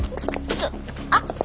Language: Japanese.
ちょあっ。